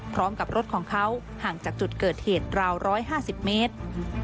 พร้อมกับรถของเขาห่างจากจุดเกิดเหตุราว๑๕๐เมตร